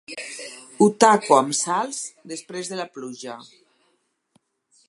Ho taco amb sals després de la pluja.